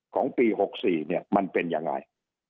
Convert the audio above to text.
ของปี๖๔มันเป็นยังไง